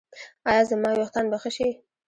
ایا زما ویښتان به ښه شي؟